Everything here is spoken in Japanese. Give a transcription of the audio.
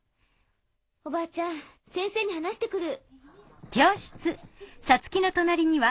おばあちゃん先生に話して来る。